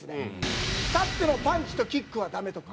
立ってのパンチとキックはダメとか。